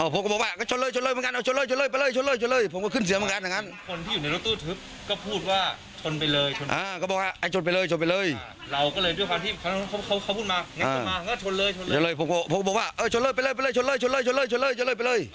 ผมก็บอกว่าเออชนเลยไปเลยไปเลยชนเลยชนเลยชนเลยไปเลย